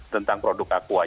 tentang produk aqua